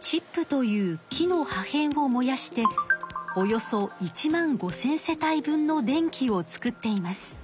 チップという木の破へんを燃やしておよそ１万５，０００世帯分の電気を作っています。